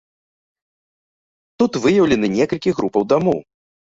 Тут выяўлены некалькі групаў дамоў.